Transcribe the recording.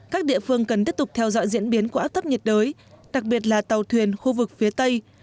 các địa phương cần tiếp tục theo dõi diễn biến của áp thấp nhiệt đới đặc biệt là tàu thuyền khu vực phía tây